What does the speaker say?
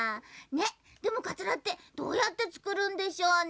でもかつらってどうやってつくるんでしょうね？